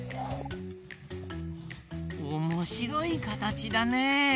おもしろいかたちだね。